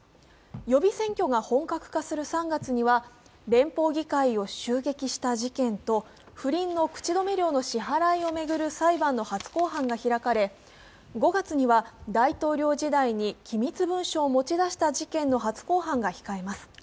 予備選挙が本格化する３月には連邦議会を襲撃した事件と不倫の口止め料の支払いをめぐる裁判の初公判が開かれ、５月には大統領時代に機密文書を持ち出した事件の初公判が控えます。